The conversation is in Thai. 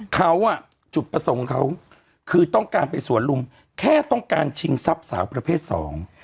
เขาอ่ะจุดประสงค์ของเขาคือต้องการไปสวนลุมแค่ต้องการชิงทรัพย์สาวประเภทสอง